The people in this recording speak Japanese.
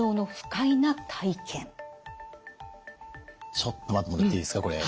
ちょっと待ってもらっていいですかこれ。